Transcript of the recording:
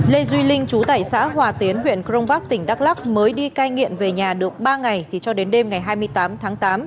lê duy linh chú tại xã hòa tiến huyện crong park tỉnh đắk lắc mới đi cai nghiện về nhà được ba ngày thì cho đến đêm ngày hai mươi tám tháng tám